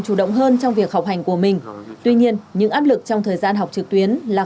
chủ động hơn trong việc học hành của mình tuy nhiên những áp lực trong thời gian học trực tuyến là